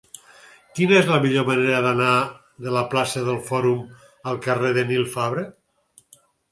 Quina és la millor manera d'anar de la plaça del Fòrum al carrer de Nil Fabra?